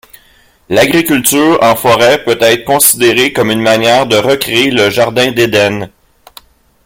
L'agriculture en forêt peut être considérée comme une manière de recréer le Jardin d'Eden.